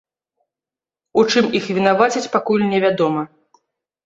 У чым іх вінавацяць, пакуль невядома.